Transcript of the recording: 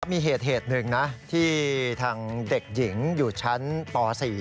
มีเหตุหนึ่งนะที่ทางเด็กหญิงอยู่ชั้นป๔